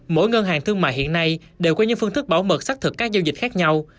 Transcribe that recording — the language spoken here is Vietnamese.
mỗi ngân hàng thương mại hiện nay đều có những phương thức bảo mật xác thực các giao dịch khác nhau